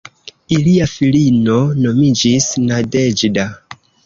Ilia filino nomiĝis "Nadeĵda".